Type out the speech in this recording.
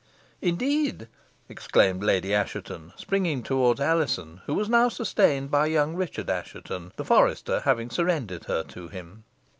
"Indeed!" exclaimed Lady Assheton, springing towards Alizon, who was now sustained by young Richard Assheton; the forester having surrendered her to him.